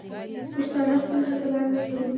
پښتانه خپل اتلان نه هېروي.